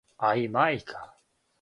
А и мајка.